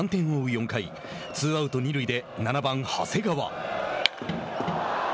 ４回ツーアウト、二塁で７番、長谷川。